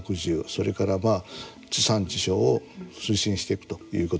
それから、地産地消を推進していくということです。